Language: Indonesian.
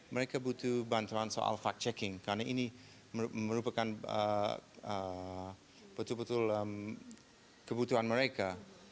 mereka butuh bantuan soal fact checking karena ini merupakan betul betul kebutuhan mereka